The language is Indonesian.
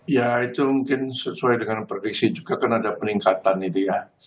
ya itu mungkin sesuai dengan prediksi juga kan ada peningkatan itu ya